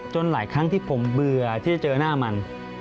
หลายครั้งที่ผมเบื่อที่จะเจอหน้ามัน